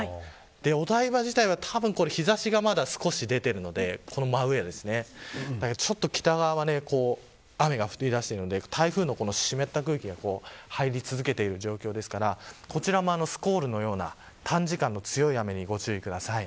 お台場自体は日差しが少し出ているので北側は雨が降り出しているので台風の湿った空気が入り続けている状況ですからこちらもスコールのような短時間の強い雨にご注意ください。